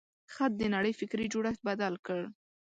خط د نړۍ فکري جوړښت بدل کړ.